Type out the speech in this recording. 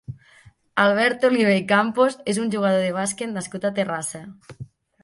Albert Oliver i Campos és un jugador de bàsquet nascut a Terrassa.